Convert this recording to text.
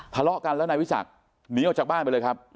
ทะเลาะกันแล้วนายวิสักหนีออกจากบ้านไปเลยครับ